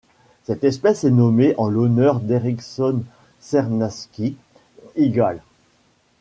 Cette espèce est nommée en l'honneur d'Ericson Cernawsky Igual.